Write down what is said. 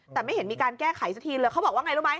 แต่ไม่เห็นมีการแก้ไขสักทีเลยเขาบอกว่าไงรู้ไหม